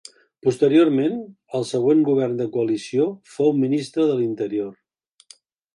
Posteriorment, al següent govern de coalició, fou Ministre de l'Interior.